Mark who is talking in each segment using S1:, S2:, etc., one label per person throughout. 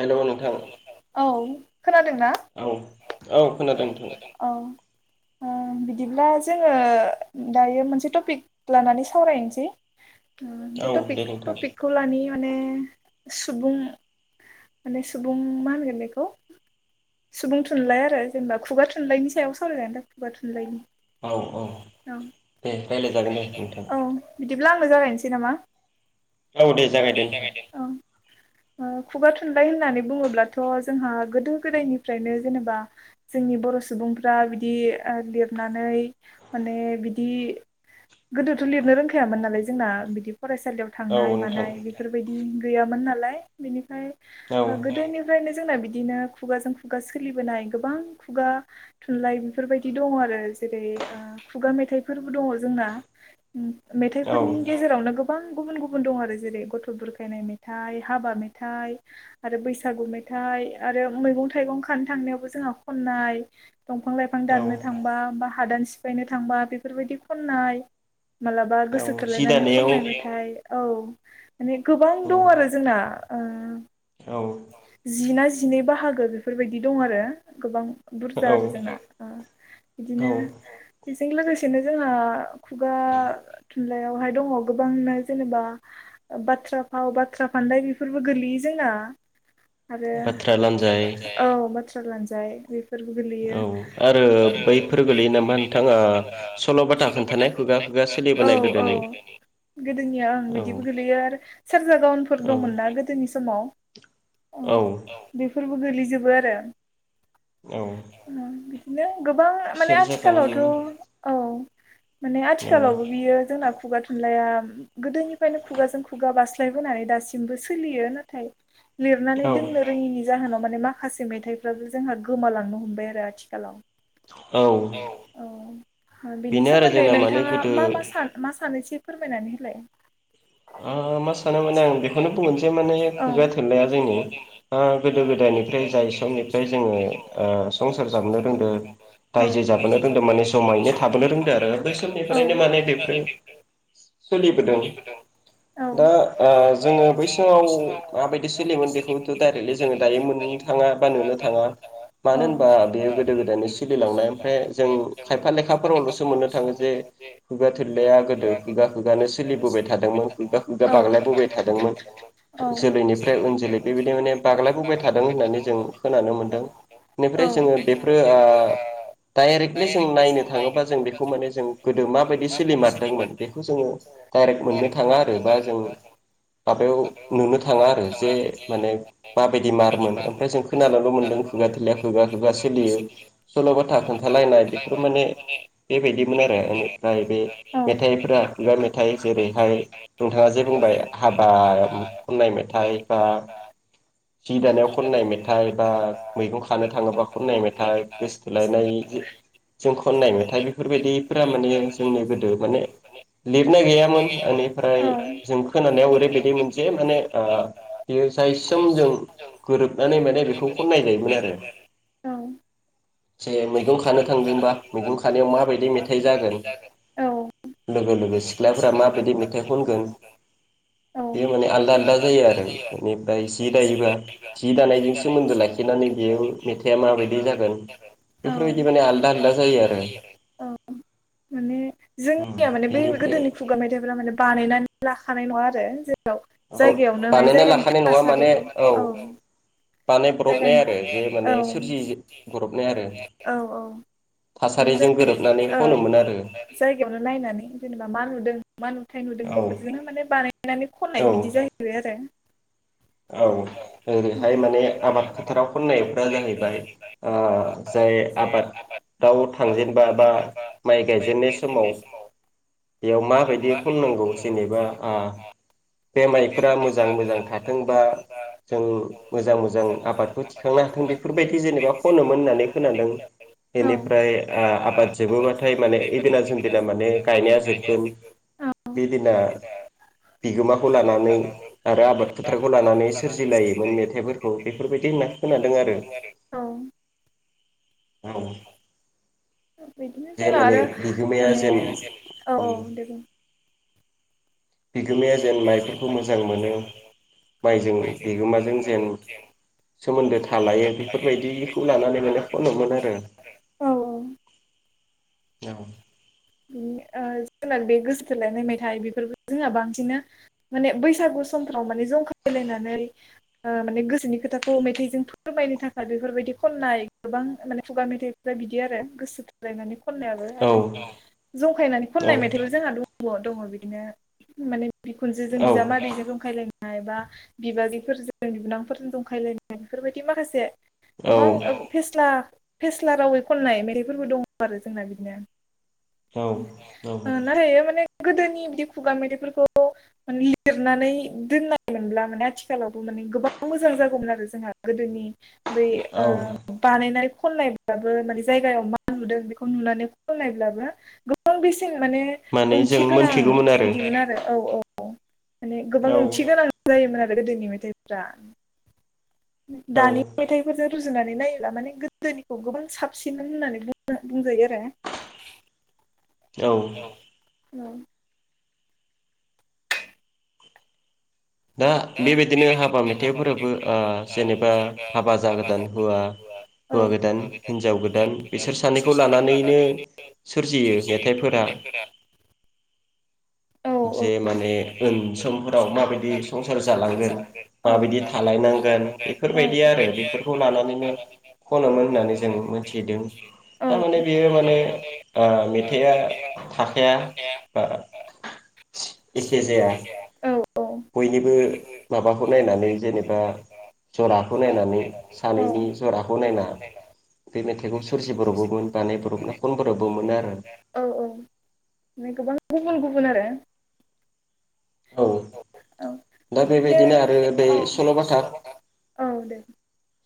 S1: हेल' नोंथां औ औ खोनादों नोंथां
S2: [unintelligible] बिदिब्ला जोङो दायो मोनसे टपिक लानानै सावरायनोसै बे त'पिक त'पिकखौ लानि माने सुबुं माने सुबुं मा होनगोन बेखौ सुबुं थुनलाय आरो जेनबा खुगा थुनलाइनि सायाव सावराय जागोन दा खुगा थुनलाइनि
S1: औ औ दे राय्लायजागोन दे नोंथां
S2: जागायनोसै नामा?
S1: औ दे जागायदो नोंथां
S2: खुगा थुनलाइ होननानै बुङोब्लाथ' जोंहा गोदो गोदायनिफ्रायनो जेनेबा जोंनि बर' सुबुंफ्रा बिदि ओ लिरनानै माने बिदि गोदोथ' लिरनो रोंखायामोन नालाय जोंना बिदि फरायसालियाव थांनाय मानाय बेफोरबायदि गैयामोन नालाय बेनिफ्राय ओ गोदोनिफ्रायनो जोंना बिदिनो खुगाजों खुगा सोलिबोनाय गोबां खुगा थुनलाइ बेफोरबायदि दङ आरो जेरै खुगा मेथाइफोरबो दङ जोंना मेथाइफोरनि गेजेरावनो गोब बां गुबुन गुबुन दं आरो जेरै गथ' बुरखायनाय मेथाइ हाबा मेथाइ आरो बैसागु मेथाइ आरो मैगं थाइगं खानो थांनायावबो जोंहा खन नाय दंफां लाइफां दाननो थांबा बा हादान सिफायनो थांबा बेफोरबायदि खननाय मालाबा गोसो थोलायनानै खननाय मेथाय औ माने गोबां दं आरो आ ओ जि ना जिनै बाहागो बेफोरबायदि दं आरो गोबां बुरजा आरो जोंना ओ बिदिनो जों लोगोसेनो जोंहा खुगा थुनलाइयावहाय दङ गोबांनो जेनेबा बाथ्रा फाव बाथ्रा फान्दाय बेफोरबो गोलैयो जोंना आरो औ बाथ्रा लांनजाय बे फोरबो गोलैयो आरो बैफोर गोलै सल'बाथा खोन्थानाय [unintelligible] औ औ गोदोनिया ओं बिदिबो गोलैयो आरो सेरजा गाउनफोर दंमोनना गोदोनि समाव
S1: औ
S2: फोरबो गोलैजोबो [inaudible] आरो ओम बिदिनो गोबां माने आथिखालावथ' औ माने आथिखालावबो बियो जोंना खुगा थुनलाइाया गोदोनिफ्रायनो खुगाजों खुगा बास्लायबोनानै दासिमबो सोलियो नाथाय लिरनानै दोननो रोङिनि जाहोनाव माने माखासे मेथाइफ्राबो जोंहा गोमालांनो हमबाय आरो आथिखालाव औ औ ओ बिनि सोमोन्दै नोंथाङा मा मा मा सानोसै फोरमायनानै होलाय
S1: ओ मा सानो माने आं बेखौनो बुंनोसै माने खुगा थुनलाया जोंनि ओ गोदो गोदायनिफ्राय जाय समनिफ्राय जोङो ओ संसार जाबोनो रोंदों रायजो जाबोनो रोंदों माने जमायैनो थाबोनो रोंदों आरो बै समनिफ्रायनो माने बेफोरो सोलिबोदों दा आ जोङो बै समाव माबायदि
S2: माबायदि सोलियोमोन बेखौथ' डायरेक्टलि जों दायो मोननो थाङा बा नुनो थाङा मानो होनबा [unintelligible]
S1: सोलिलांनायनिफ्राय जों खायफा लेखाफोरावल'सो मोननो थाङो जे खुगा थुनलाया गोदो खुगा खुगानो सोलिबोबाय थादोंमोन खुगा खुगा बाग्लायबोबाय थादोंमोन जोलैनिफ् फ्राय उन जोलै बेबायदि माने बाग्लायबोबाय थादों होननानै जों खोनानो मोन्दों। बेनिफ्राय जोङो बेफोरो आ डाइरेक्टलि जों नायनो थाङोबा जों बेखौ माने जों गोदो माबायदि सोलिमारदोंमोन बेखौ जोङो डाइरेक्ट मोननो थाङा आरो बा जों माबायाव नुनो थाङा आरो। जे माने माबायदि मारमोन ओमफ्राय जों खोनानोल' मोनदों खुगा थुनलाया खुगा खुगा सोलियो। सल'बाथा खोन्थालायनाय बेफोर माने बेबायदिमोन आरो एनिफ्राय बे मेथाइफोरा खुगा मेथाइ जेरैहाय नोंथाङा जे बुंबाय हाबायाव खननाय मेथा
S2: खननाय मेथाइ बा
S1: जि दानायाव खननाय मेथाइ बा मैगं खानो थाङोबा खननाय मेथाइ, गोसथोलायनाय जों खननाय मेथाइ बेफोरबायदिफोरा माने जोंनि गोदो माने लिरनाय गैयामोन बेनिफ्राय जों खोनानायाव ओरैबायदि मोनसेे माने ओ बियो जाय समजों गोरोबनानै माने बेखौ खननायजायोमोन आरो।
S2: औ।
S1: जे मैगं खानो थांदोंबा मैगं खानायाव माबायदि मेथाइ जागोन लोगो लोगो सिख्लाफोरा माबायदि मेथाइ खनगोन बेयो माने आल लादा जायो आरो बेनिफ्राय जि दायोबा जि दानायजों सोमोन्दो लाखिनानै बेयो मेथाइआ माबायदि जागोन बेफोरबायदि माने आलदा आलादा जायो आरो।
S2: औ माने जोंनिया माने बे गोदोनि खुगा मेथाइफोरा मा बानायनानै लाखानाय नङा आरो जेराव जायगायावनो माने जायगानि थासारिखौ औ। जायगानिखौल माने [unintelligible] औ औ औ माने ज औ जायगायावनो नायनानै जेनेबा मा नुदों मा नुथाय नुदों बेफोरजोंनो माने बानायनानै खननाय बिदि जाहैबाय आरो।
S1: औ ओरैहाय माने आबाद फोथाराव खननायफोरा जाहैबाय ओ जाय आबाद दाउ थांजेनबा बा माइ गायजेननाय समाव बेयाव माबायदि खननांगौ जेनेबा आ बे माइफोरा मोजां मोजां
S2: बुंबा
S1: जों मोजां मोजां आबादखौ थिखांनो हाथों बेफोरबायदि जेनेबा खनोमोन होननानै खोनादों। बेनिफ्राय ओ आबाद जोबोबाथाय माने इदिना जोम दिना माने गायनाया जो बो बिदिना बिगोमाखौ लानानै आरो आबाद फोथारखौ लानानै सोरजिलायोमोन मेथाइफोरखौ बेफोरबायदि होनना खोनादों आरो।
S2: [inaudible]
S1: औ। जे माने बिगोमाया जेन बिगोमाया जेन माइफोरखौ मोजां मोनो माइजों बिगोमाजों जेन सोमोन्दो थालायो बेफोरबायदिखौ लानानै माने खनोमोन आरो।
S2: उम।
S1: औ।
S2: ओ जोंना बे गोसो थोलायनाय मेथाइ बेफोरखौ जोंहा बांसिनानो माने बैसागु समफ्राव मान जंखायलायनानै ओ गोसोनि खोथाखौ मेथाइजों फोरमायनो थाखाय बेफोरबाय दि खननाय गोबां माने खुगा मेथाइफोरा बिदि आरो गोसोथोलायनाय। खननायाबो आरो जंखायनानै खननाय मेथाइबो जोंहा द दङ बिदिनो माने बिखुनजो जों बिजाम मादैजों जंखायलायनाय बा बिबागैफोरजों बिबोनांफोरजों दंखायलायनाय बेफोरबायदि माखासे गोबां ओ फेस्ला फेस्ला रावै खननाय मेराइफोरबो दङ आरो जोंना बिदिनो। ओ नाथायो माने गोदोनि बिदि खुगा मेथायफोरखौ लिरनानै दोननाय मोनब्ला माने आथिखालावबो गोबां मोजां जागौमोन आरो जोंहा गोदोनि बै ओ बानायनाय खनायब्लाबो माने जायगायाव मा नुदों बेखौ नुनानै खननायब्लाबो गोबां बेसे बांसिन माने ओंथि गोनां बिदिमोन आरो औ औ। माने गोबां ओंथि गोनां जायोमोन आरो गोदोनि मेथाइफ्रा। दानि मेथाइफोरजों रुजुनानै नायोबा माने गोदोनिखौ गोबां साबसिन होननानै बुंजायो आरो।
S1: औ
S2: औ
S1: दा बेबायदिनो हाबा मेथाइफोराबो ओ जेनेबा हाबा जागोदान हुवा हौवा गोदान हिनजाव गोदान बिसोर सानैखौ लानानैनो सोरजियो मेथाइफोरा
S2: [inaudible]
S1: जे माने ओनसमफोराव माबायदि
S2: औ औ
S1: खनोमोन होननानै जों मिथिदों थारमाने बेयो माने मेथाइआ थाखाया बा
S2: [inaudible]
S1: एखे जाया। माबाखौ नायनानै जेनेबा जराखौ नायनानै सानैनि जराखौ नायना
S2: औ औ गोबां गुबुन गुबुन आरो
S1: औ दा बेबायदिनो आरो बे सल'बाथा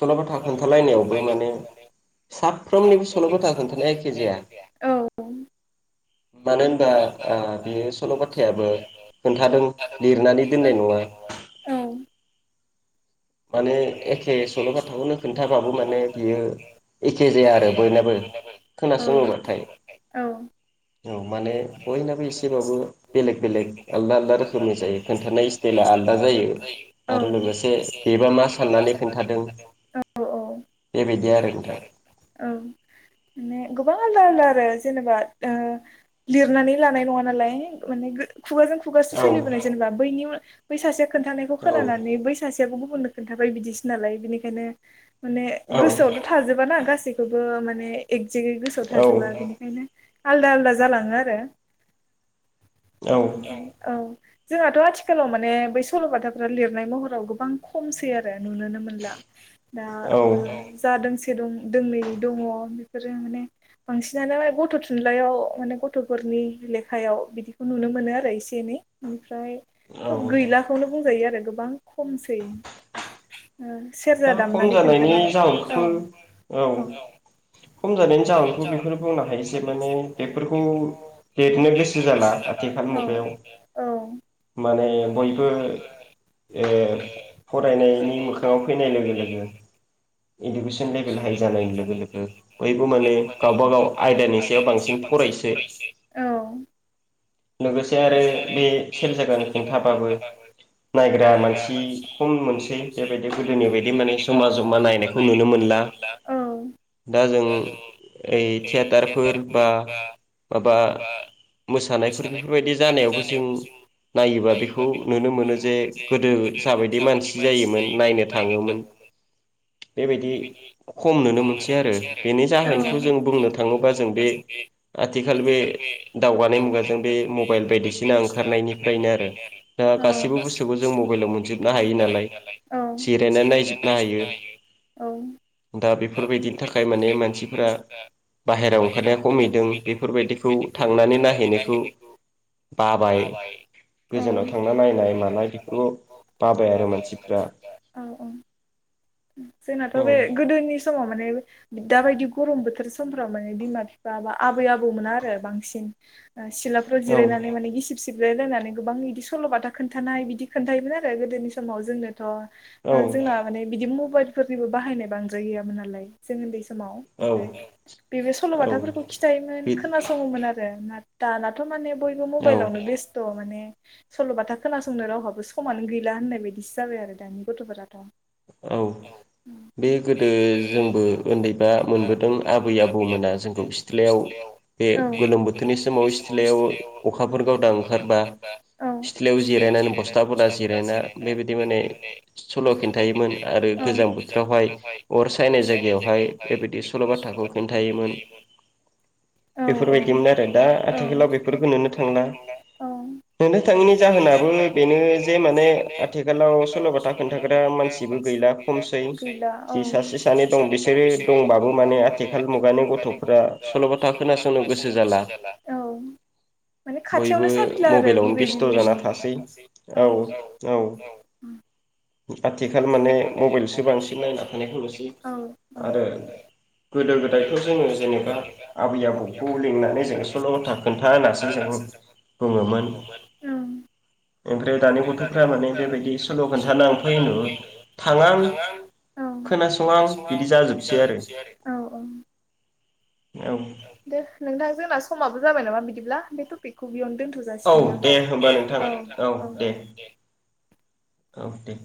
S1: सल'बाथा खोन्थालायनायावबो माने
S2: [unintelligible] औ
S1: मानो होनबा ओ बेयो सल'बथायाबो खोन्थादों लिरनानै दोननाय नङा ।
S2: औ
S1: माने एखे सल'बाथाखौनो खोन्थाबाबो माने बियो एखे जाया आरो बयनाबो खोनासङोबोथाय ।
S2: औ
S1: औ माने बयनाबो एसेबाबो बेलेग बेलेग आलदा आलदा रोखोमनि जायो खोन्थानाय स्टाइला आलदा आलदा जायो ।
S2: औ
S1: बेबा मा साननानै खोन्थादों
S2: औ माने गोबां गोबां आलदा आलदा आरो जेनेबा ओ लिरनानै लानाय नङा नालाय माने खुगाजों खुगासो सोलिबोनाय जेनेबा बैनि बै सासेया खोन्थानायखौ खोनानानै बै सासे याबो गुबुननो खोनथाबाय बिदिसो नालाय बिनिखायनो माने गोसोआवथ' थाजोबाना गासैखौबो माने एकजेक्टलि गोसोआव थाजोबा बेनिखायनो आलदा आलदा जालाङो आरो । औ जोंहाथ' आथिखालाव माने बै सल'बाथाफ्रा लिरनाय महराव गोबां खमसै आरो । नुनोनो मोनला दा ओ जा दोंसे दं दोंनै दङ बेफोरो माने बांसिनानो गथ' थुनलाइयाव माने गथ'फोरनि लेखायाव बिदिखौ नुनो मोनो आरो एसे एनै ओमफ्राय थ' गैलाखौनो बुंजायो आरो गोबां खमसै । ओ सेरजा दामनानै खोन्थानाय औ औ
S1: [inaudible] खौ लिरनो गोसो जाला आथिखाल मुगायाव माने बयबो ओ फरायनायनि मोखाङाव फैनाय लोगो लोगो इडुकेसन लेभेल हाइ जानायनि लोगो लोगो बयबो माने गावबागाव आयदानि सायाव बांसिन फराय
S2: फरायसै औ।
S1: लोगोसे आरो बे सेरजा गान खिन्थाबाबो नायग्रा मानसि खम मोनसै बेबायदि गोदोनि बायदि माने जमा जमा नायखौ नुनो मो मोनला। दा जों थियटारफोर बा माबा मोसानायफोर बेफोरबायदि जानायावबो जों नायोबा बेखौ नुनो मोनो जे गोदो जाबायदि मानसि जायोमोन नायनो थाङोमोन।
S2: [inaudible]
S1: बेबायदि खम नुनो मोनसै आरो। बेनि जाहोनखौ जों बुंनो थाङोबा जों बे आथिखाल बे दावगानाय मुगाजों जों बे मबाइल बायदिसिना ओंखारनायनिफ्रायनो आरो दा गासिबो बुस्थुखौ जों मबाइलाव मोनजोबनो हायो।
S2: हायो नालाय जिरायनानै नायजोबनो हायो।
S1: दा बेफोरबायदिनि थाखाय माने मानसिफोरा बाहेरायाव ओंखारनाया खमहैदों बेफोरबायदिखौ थांनानै नायहैनायखौ बाबाय गोजानाव थांना नायनाय मानाय बेफोरखौ बाबाय आरो मानसिफ्रा
S2: जोंनाथ' बे गोदोनि समाव माने दा माबायदि गरम बोथोर समफ्राव माने बिमा बिफा बा आबै आबौमोना आरो बांसिन सिलाफ्राव जिरायनानै माने गिसिब सि सिबलायलायनानै गोबां बिदि सल'बाथा खोनन्थानाय बिदि खोन्थायोमोन आरो गोदोनि समाव जोंनोथ' जोंना माने बिदि मबाइलफोरनिबो बाहायनाय बांद्राय गैयामोन नालाय जों उन्दै समाव ओमफ्राय बे सल'बाथाफोरखौ खिथायोमोन खोनासङोमोन आरो दानाथ' माने बयबो मबाइलावनो बेस्थ' माने सल'बाथा खोनासंनो रावहाबो समानो गैला होननाय बायदिसो जाबाय आरो दानि गथ'फोराथ'
S1: औ।
S2: औ।
S1: बे गोदो जोंबो उन्दैबा मोनबोदों आबै आबौमोना जोंखौ सिथ्लायाव बे गोलोम बोथोरनि समाव सिथलायाव अखाफोर गावदां ओंखारबा सिथलायाव जिरायनानै बस्था बना जिरायना बेबायदि माने सल' खिन्थायोमोन।
S2: थायोमोन आरो गोजां बोथोरावहाय अर सायनाय जायगायावहाय सल' बाथ्राखौ खिन्थायोमोन। उम। औ औ मोन आरो आथिखालाव बेफोरखौ नुनो थांला औ।
S1: नुनों थांङिनि जाहोनाबो बेनो जे माने आथिखालाव सल'बाथा खोन्थाग्रा मानसिबो
S2: मानसिबो गैला खमसै गैला औ सासे सानै दं बिसोरो दंबाबो माने आथिखाल मुगानि
S1: सल'बथा खोनासंनो गोसो जाला
S2: माने खाथियावनो साफिला आरो बिबै बिबौनि औ। [inaudible]
S1: आथिखाल माने मबाइलसो बांसिन नायना थानायखौ नुसै आरो गोदो गोदायथ' जोङो जेनेबा आबै आबौखौ लिंनानै जो सल'था खोन्था होनासो जों
S2: [unintelligible]
S1: बुङोमोन ओमफ्राय दानि गथ'फ्रा माने बेबायदि सल' खोन्थानां [inaudible]
S2: थाङा आं खोनासङा आं बिदि जाजोबसै आरो औ औ। दे नोंथां जोंना समाबो जाबाय नामा बिदिब्ला बे टपिकखौ बियावनो दोनथ' जासिगोनदां औ दे होमबा नोंथां औ दे।
S1: अ दे।